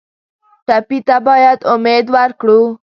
ټپي ته باید امید ورکړو.